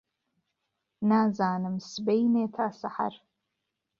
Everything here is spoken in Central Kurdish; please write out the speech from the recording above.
نازانم سبهینی تا سهحەر